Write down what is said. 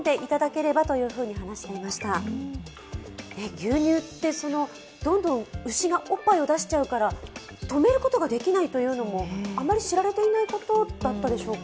牛乳って、どんどん牛がおっぱいを出しちゃうから止めることもできないというのはあまり知られていないことだったでしょうか。